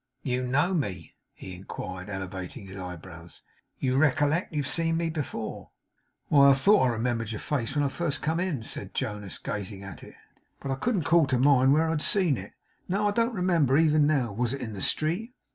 'You know me?' he inquired, elevating his eyebrows. 'You recollect? You've seen me before?' 'Why, I thought I remembered your face when I first came in,' said Jonas, gazing at it; 'but I couldn't call to mind where I had seen it. No. I don't remember, even now. Was it in the street?